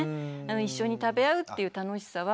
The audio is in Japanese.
一緒に食べ合うっていう楽しさは。